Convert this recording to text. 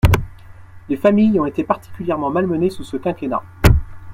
Les familles ont été particulièrement malmenées sous ce quinquennat.